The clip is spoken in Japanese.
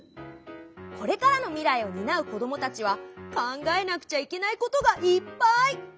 これからの未来をになう子どもたちは考えなくちゃいけないことがいっぱい！